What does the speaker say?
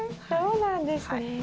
そうなんですね。